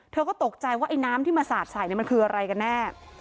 เธอก็ตกใจว่าไอ้น้ำที่มาสาดใส่มันคืออะไรกันแน่